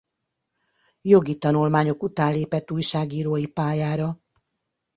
Jogi tanulmányok után lépett újságírói pályára.